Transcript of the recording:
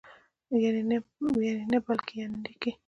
یعني نه بلکې یانې لیکئ!